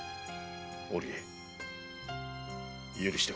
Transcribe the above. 織江許してくれ。